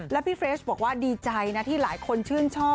แล้วพี่เฟรชบอกว่าดีใจนะที่หลายคนชื่นชอบ